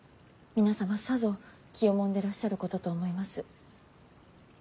皆様さぞ気をもんでらっしゃることと思います。